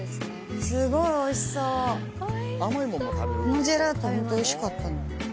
このジェラートホントおいしかった。